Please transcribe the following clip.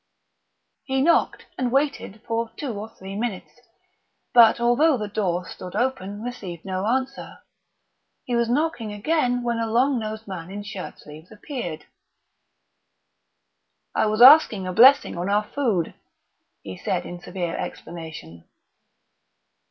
He knocked, and waited for two or three minutes, but, although the door stood open, received no answer. He was knocking again when a long nosed man in shirt sleeves appeared. "I was arsking a blessing on our food," he said in severe explanation.